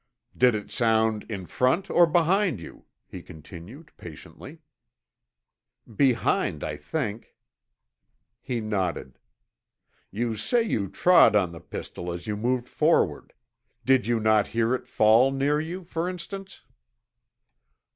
"Did it sound in front or behind you?" he continued, patiently. "Behind, I think." He nodded. "You say you trod on the pistol as you moved forward. You did not hear it fall near you, for instance?"